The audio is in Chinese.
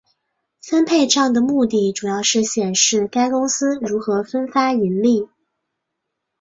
分配帐的目的主要是显示该公司如何分发盈利。